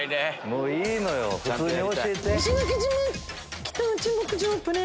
もういいのよ普通に教えて。